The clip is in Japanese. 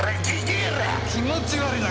気持ち悪いな。